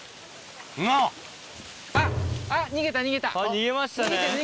逃げましたね。